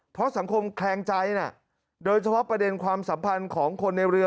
เพราะสังคมแคลงใจนะโดยเฉพาะประเด็นความสัมพันธ์ของคนในเรือ